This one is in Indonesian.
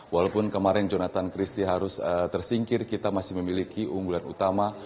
walaupun kemarin jonathan christie harus tersingkir kita masih memiliki unggulan utama